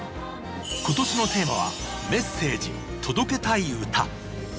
今年のテーマは、「メッセージ届けたい歌」。